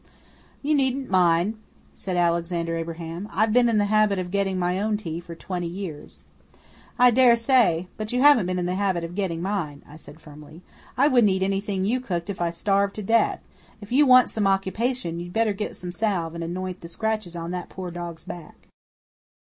"You needn't mind," said Alexander Abraham. "I've been in the habit of getting my own tea for twenty years." "I daresay. But you haven't been in the habit of getting mine," I said firmly. "I wouldn't eat anything you cooked if I starved to death. If you want some occupation, you'd better get some salve and anoint the scratches on that poor dog's back."